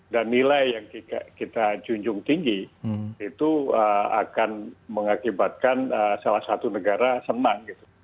dan nilai yang kita junjung tinggi itu akan mengakibatkan salah satu negara senang